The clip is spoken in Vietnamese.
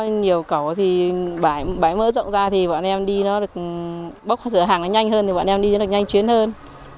nhiều cầu thì bãi mở rộng ra thì bọn em đi nó được bốc hàng nó nhanh hơn thì bọn em đi nó được nhanh chuyến hơn